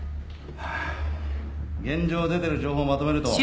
ハァ現状出てる情報をまとめると。